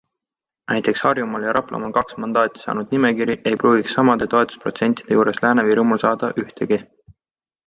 Näiteks Harjumaal ja Raplamaal kaks mandaati saanud nimekiri ei pruugiks samade toetusprotsentide juures Lääne-Virumaal saada ühtegi.